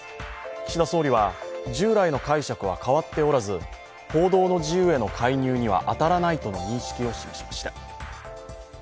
岸田総理は、従来の解釈は変わっておらず報道の自由への介入には当たらないとの認識を示しました。